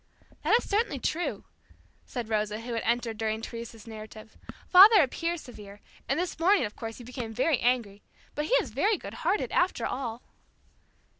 "That is certainly true," said Rosa, who had entered during Teresa's narrative. "Father appears severe, and this morning, of course, he became very angry, but he is very good hearted after all."